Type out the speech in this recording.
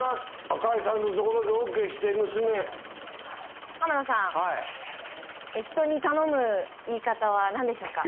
赤井さんのところでオーケーして娘浜田さんはいなんでしょうか？